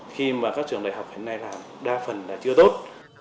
khi mà các trường đại học hiện nay làm đa phần là chưa tốt